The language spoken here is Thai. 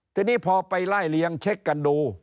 ทีนี้พอไปไล่เลี้ยงเช็คกันดู